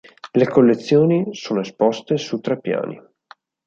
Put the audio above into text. Le collezioni sono esposte su tre piani.